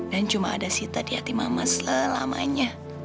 dan cuma ada sita di hati mama selamanya